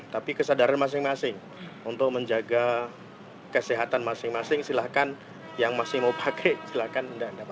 tapi kesadaran masing masing untuk menjaga kesehatan masing masing silahkan yang masih mau pakai silakan tidak dapat